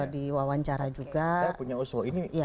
diwawancara juga punya usul ini